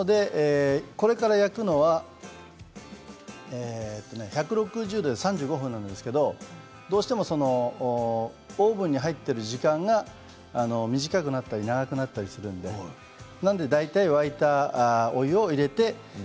これから焼くのは１６０度で３５分なんですけれどどうしてもオーブンに入っている時間が短くなったり長くなったりするので大体、沸いたお湯を入れて。